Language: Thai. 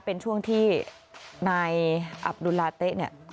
เป็นช่วงที่นายอับดุลลาเต๊ะเนี่ย